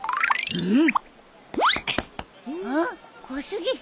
うん？